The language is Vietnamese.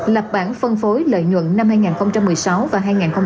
lập bản phân phối lợi nhuận năm hai nghìn một mươi sáu và hai nghìn một mươi bảy